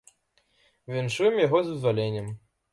Віншуем яго з вызваленнем.